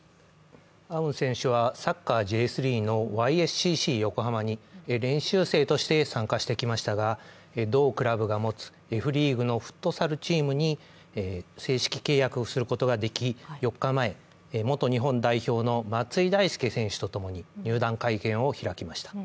アウン選手はサッカーＪ３のＹ．Ｓ．Ｃ．Ｃ．横浜に練習生として参加してきましたが、同クラブが持つＦリーグのフットサルチームと正式契約することができ、４日前、元日本代表の松井大輔選手とともに入団会見を開きました。